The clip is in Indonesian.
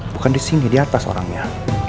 bukan di sini di atas orangnya